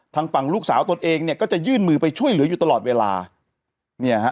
ทางฝั่งลูกสาวตนเองเนี่ยก็จะยื่นมือไปช่วยเหลืออยู่ตลอดเวลาเนี่ยฮะ